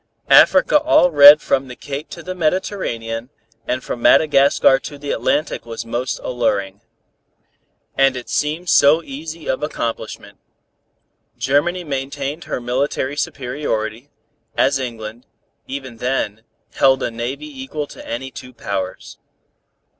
Africa all red from the Cape to the Mediterranean and from Madagascar to the Atlantic was most alluring. And it seemed so easy of accomplishment. Germany maintained her military superiority, as England, even then, held a navy equal to any two powers.